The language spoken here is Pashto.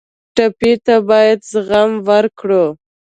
ټپي ته باید زغم ورکړو.